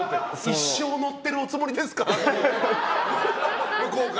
一生乗ってるおつもりですか？